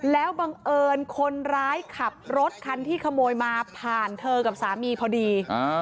แล้วบังเอิญคนร้ายขับรถคันที่ขโมยมาผ่านเธอกับสามีพอดี